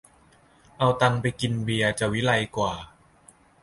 เอาตังค์ไปกินเบียร์จะวิไลกว่า